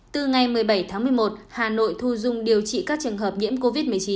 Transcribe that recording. từ ngày một mươi bảy tháng một mươi một hà nội thu dung điều trị các trường hợp nhiễm covid một mươi chín